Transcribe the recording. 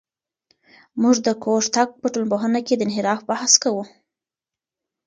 موږ د کوږتګ په ټولنپوهنه کې د انحراف بحث کوو.